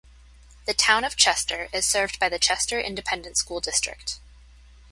The Town of Chester is served by the Chester Independent School District.